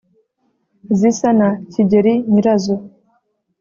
Zisa na Kigeri nyirazo;